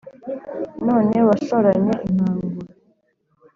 None washoranye inkangura